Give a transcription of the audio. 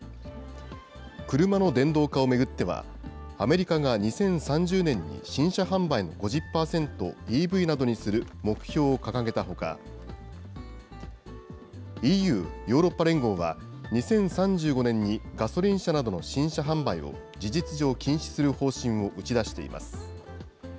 車の電動化を巡っては、アメリカが２０３０年に新車販売の５０％をＥＶなどにする目標を掲げたほか、ＥＵ・ヨーロッパ連合は２０３５年に、ガソリン車などの新車販売を、事実上禁止する方針を打ち出しています。